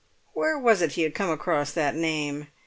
Where was it he had come across that name?